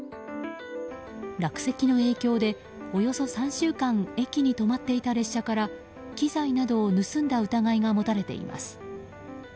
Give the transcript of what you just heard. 落石の影響で、およそ３週間駅に止まっていた列車から機材などを盗んだ疑いが持たれています。